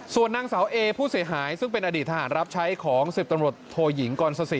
ส่วนนางสาวเอผู้เสียหายซึ่งเป็นอดีตทหารรับใช้ของ๑๐ตำรวจโทยิงกรสสิ